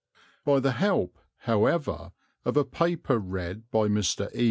By the help, however, of a paper read by Mr. E.